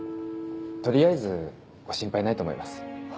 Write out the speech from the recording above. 取りあえずご心配ないと思います。